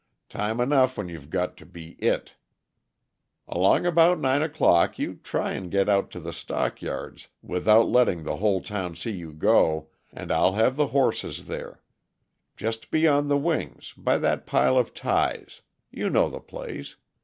Time enough when you've got to be it. Along about nine o'clock you try and get out to the stockyards without letting the whole town see you go, and I'll have the horses there; just beyond the wings, by that pile of ties. You know the place.